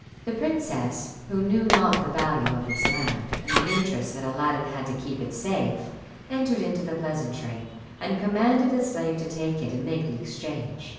The princess, who knew not the value of this lamp, and the interest that Aladdin had to keep it safe, entered into the pleasantry, and commanded a slave to take it and make the exchange.